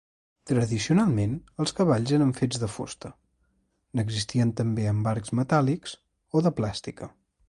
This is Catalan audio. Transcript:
Tradicionalment els cavalls eren fet de fusta, n'existeixen també amb arcs metàl·lics o de plàstica.